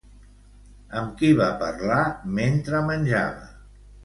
Amb qui va parlar mentre menjava?